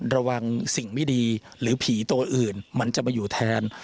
ระวังสิ่งไม่ดีหรือผีตัวอื่นมันจะมาอยู่แทน